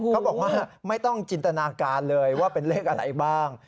เขาบอกว่าไม่ต้องจินตนาการเลยว่าเป็นเลขอะไรบ้าง